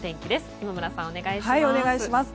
今村さん、お願いします。